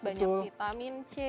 banyak vitamin c